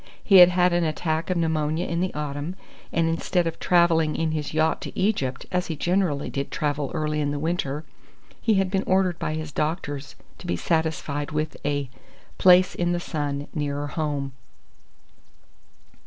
He had had an attack of pneumonia in the autumn, and instead of travelling in his yacht to Egypt, as he generally did travel early in the winter, he had been ordered by his doctors to be satisfied with a "place in the sun" nearer home.